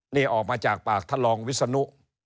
นี่ออกมาจากปากท่านรองวิศนุ